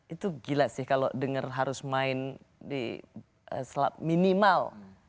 itu gila sih kalau dengar harus main di selat minimal